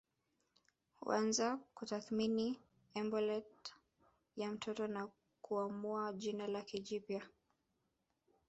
Huanza kutathimini embolet ya mtoto na kuamua jina lake jipya